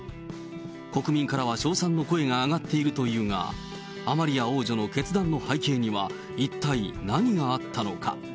国民からは称賛の声が上がっているというが、アマリア王女の決断の背景には、一体何があったのか。